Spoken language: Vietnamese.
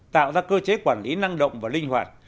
tạo ra cơ chế quản lý năng động và linh hoạt